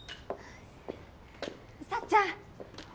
幸ちゃん。